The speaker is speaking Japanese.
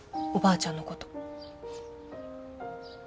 おばあちゃんのこと。